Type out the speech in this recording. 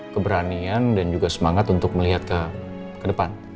keberanian dan juga semangat untuk melihat ke depan